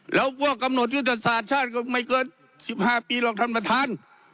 แล้วพวกกำหนดยุทธศาสตร์ชาติก็ไม่เกิน๑๕ปีหรอกท่านประธาน